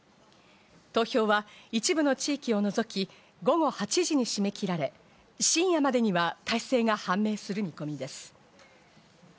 投票は一部の地域を除き、午後８時に締め切られ、深夜までには大勢が判明する見込みです。